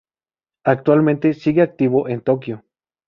Actualmente sigue activo en Tokio.